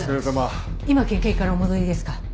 今県警からお戻りですか？